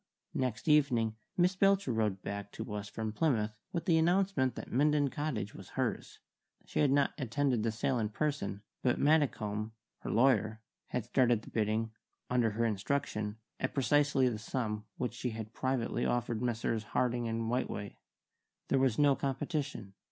Next evening Miss Belcher rode back to us from Plymouth with the announcement that Minden Cottage was hers. She had not attended the sale in person, but Maddicombe, her lawyer, had started the bidding (under her instruction) at precisely the sum which she had privately offered Messrs. Harding and Whiteway. There was no competition.